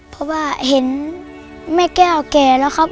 เพราะว่าเห็นแม่แก้วแก่แล้วครับ